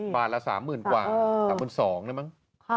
บาทละ๓๐๐๐๐กว่า๓๒นี่มั้ง